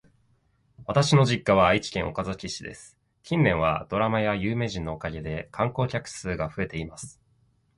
私の実家は愛知県岡崎市です。近年はドラマや有名人のおかげで観光客数が増えています。